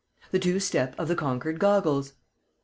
The two step of the conquered goggles!